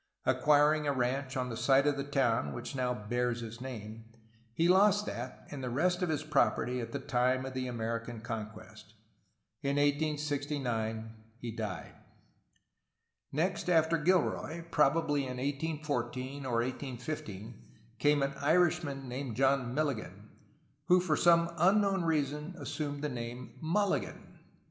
Acquiring a ranch on the site of the town which now bears his name, he lost that and the rest of his property at the time of the American conquest. In 1869 he died. Next after Gilroy, probably in 1814 or 1815, came an Irishman named John Milligan, who for some unknown reason assumed the name "Mulligan."